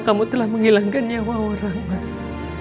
kamu telah menghilangkan nyawa orang mas